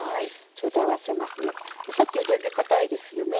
さっきより全然かたいですよね。